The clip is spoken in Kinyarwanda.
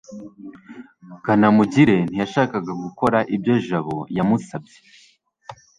kanamugire ntiyashakaga gukora ibyo jabo yamusabye